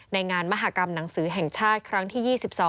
ในงานมหากรรมหนังสือแห่งชาติครั้งที่๒๒